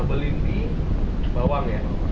nobelin di bawang ya